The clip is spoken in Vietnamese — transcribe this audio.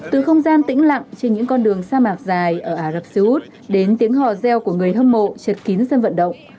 từ không gian tĩnh lặng trên những con đường sa mạc dài ở ả rập xê út đến tiếng hò reo của người hâm mộ chật kín sân vận động